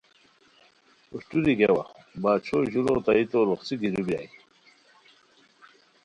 اوشٹوری گیاوا باچھو ژورو تائیتو روخڅھی گیرو بیرانی